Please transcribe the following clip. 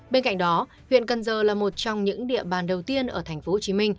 bên cạnh đó huyện cần giờ là một trong những địa bàn đầu tiên ở tp hcm